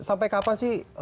sampai kapan sih